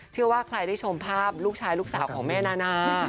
เชื่อว่าใครได้ชมภาพลูกชายลูกสาวของแม่นานา